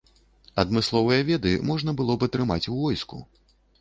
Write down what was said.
Адмысловыя веды можна было б атрымаць у войску.